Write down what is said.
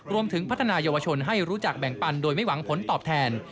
พัฒนายาวชนให้รู้จักแบ่งปันโดยไม่หวังผลตอบแทน